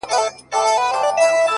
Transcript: ما د ملا نه د آذان په لور قدم ايښی دی-